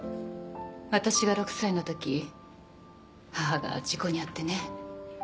私が６歳のとき母が事故に遭ってね。